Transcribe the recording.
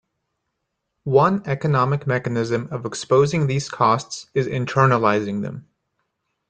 One economic mechanism of exposing these costs is internalizing them.